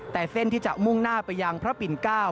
แต่เส้นที่จะมุ่งหน้าไปยังพระปิ่น๙